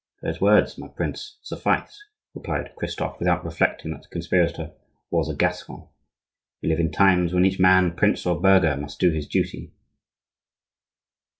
"Those words, my prince, suffice," replied Christophe, without reflecting that the conspirator was a Gascon. "We live in times when each man, prince or burgher, must do his duty."